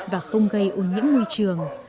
và không gây ô nhiễm môi trường